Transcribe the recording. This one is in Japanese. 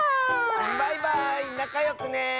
バイバーイなかよくね。